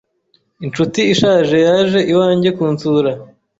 Inshuti ishaje yaje iwanjye kunsura.